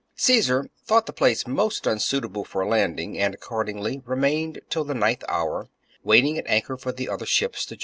Caesar thought the place most unsuitable for landing, and accordingly remained till the ninth hour, waiting at anchor for the other ships to join him.